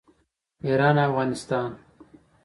ایران او افغانستان.